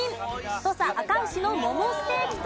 土佐あかうしのモモステーキと。